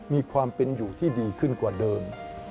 มีความเป็นอยู่ที่ดีขึ้นกว่าเดิม